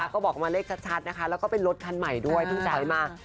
ก็บอกมาเลขชัดนะคะแล้วก็เป็นรถคันใหม่ด้วยเพิ่งถอยมา